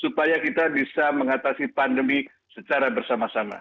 supaya kita bisa mengatasi pandemi secara bersama sama